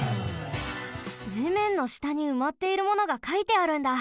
地面のしたにうまっているものがかいてあるんだ。